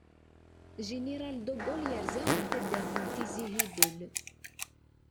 Jiniral de Gaulle yerza ar taddart Tizi Hibel.